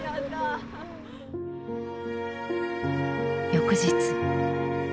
翌日。